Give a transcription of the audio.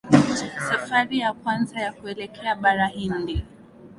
Safari ya kwanza ya kuelekea bara hindi